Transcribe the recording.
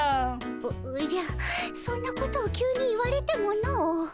おおじゃそんなことを急に言われてもの。